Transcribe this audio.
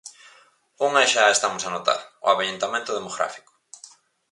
Unha xa a estamos a notar, o avellentamento demográfico.